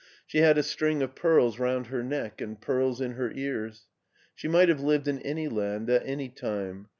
She had a string of pearls roimd her neck and pearls in her ears. She might have lived in any land at any time.